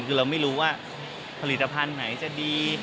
คือเราไม่รู้ว่าผลิตภัณฑ์ไหนจะดี